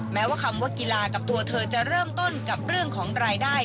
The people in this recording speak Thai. แม้ว่าคำว่ากีฬากับตัวเธอจะเริ่มต้นกับเรื่องของรายได้